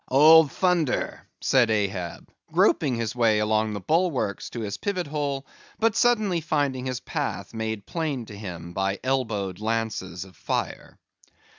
"Old Thunder!" said Ahab, groping his way along the bulwarks to his pivot hole; but suddenly finding his path made plain to him by elbowed lances of fire.